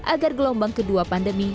agar gelombang kedua pandemi